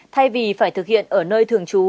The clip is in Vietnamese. thay vì phải thực hiện ở nơi thường trú